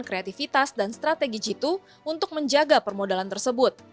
kreativitas dan strategi jitu untuk menjaga permodalan tersebut